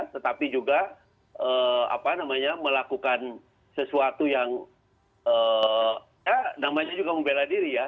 tetapi juga melakukan sesuatu yang ya namanya juga membela diri ya